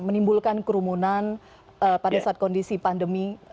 menimbulkan kerumunan pada saat kondisi pandemi